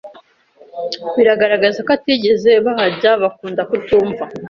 bigaragaza ko atigeze bahajya bakunda kutumva